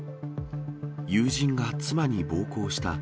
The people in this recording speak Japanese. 友人が妻に暴行した。